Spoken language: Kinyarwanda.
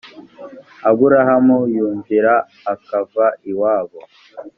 aburahamu yumvira akava iwabo